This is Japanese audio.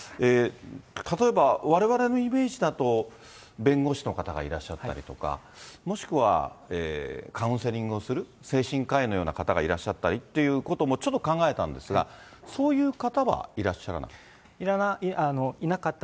例えばわれわれのイメージだと、弁護士の方がいらっしゃったりとか、もしくはカウンセリングをする精神科医のような方がいらっしゃったりっていうことも、ちょっと考えたんですが、そういう方はいらっしゃらなかった？